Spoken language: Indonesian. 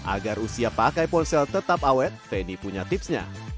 agar usia pakai ponsel tetap awet feni punya tipsnya